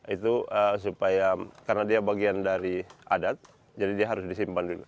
itu supaya karena dia bagian dari adat jadi dia harus disimpan dulu